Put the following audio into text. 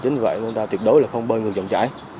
chính vì vậy chúng ta tuyệt đối là không bơi ngược dòng trải